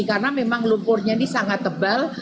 karena memang lumpurnya ini sangat tebal